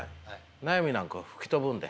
悩みなんか吹き飛ぶんで。